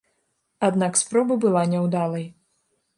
Аднак спроба была няўдалай.